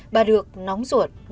bà được nóng ruột